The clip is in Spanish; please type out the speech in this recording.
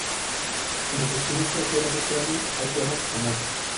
En las esquinas traseras del cráneo hay cuernos escamosos.